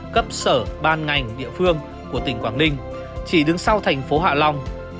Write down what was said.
cấp sở ban ngành địa phương của tỉnh quảng ninh chỉ đứng sau thành phố hạ long